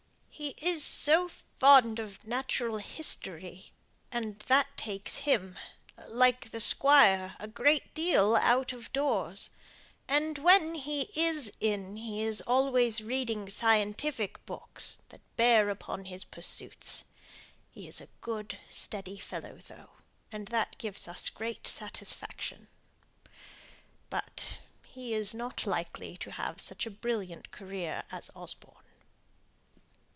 He is so fond of natural history; and that takes him, like the squire, a great deal out of doors; and when he is in, he is always reading scientific books that bear upon his pursuits. He is a good, steady fellow, though, and gives us great satisfaction, but he is not likely to have such a brilliant career as Osborne."